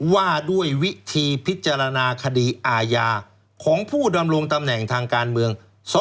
ว่าด้วยวิธีพิจารณาคดีอาญาของผู้ดำรงตำแหน่งทางการเมือง